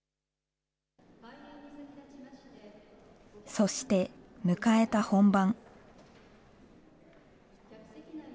そして迎えた本番。